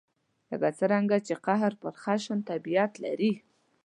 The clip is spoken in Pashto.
لکه څنګه چې قهر پر خشن طبعیت لري.